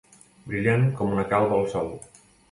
Brillant com una calba al sol.